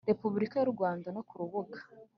Repubulika y u Rwanda no ku rubuga